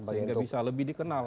sehingga bisa lebih dikenal